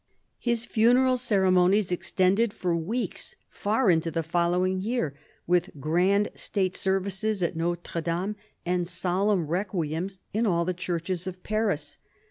His funeral ceremonies extended for weeks, far into the following year, with grand state services at Notre Dame and solemn requiems in all the churches of Paris.